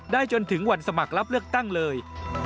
จนถึงวันสมัครรับเลือกตั้งเลย